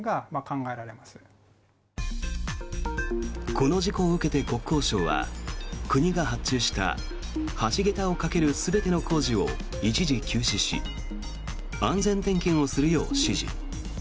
この事故を受けて国交省は国が発注した橋桁を架ける全ての工事を一時休止し安全点検をするよう指示。